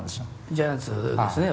ジャイアンツですね。